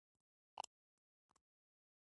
احمد ډېر پرتوګ کښلی سړی دی.